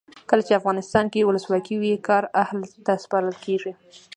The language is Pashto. کله چې افغانستان کې ولسواکي وي کار اهل ته سپارل کیږي.